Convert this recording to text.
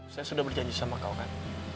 saya sudah berjanji sama kau kan